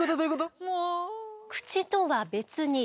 口とは別に消化